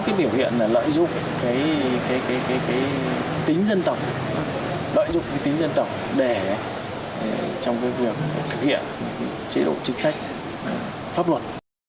và có biểu hiện lợi dụng tính dân tộc để thực hiện chế độ chức trách pháp luật